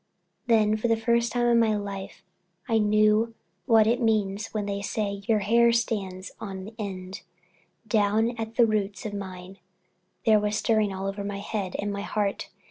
Then for the first time in my life I knew what it means when they say your hair stands on end. Down at the roots of mine there was a stirring all over my head and my heart!